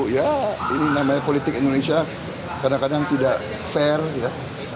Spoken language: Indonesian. ya ini namanya politik indonesia kadang kadang tidak fair ya